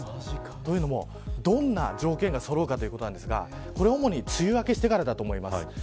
というのもどんな条件がそろうかですが主に、梅雨明けしてからだと思います。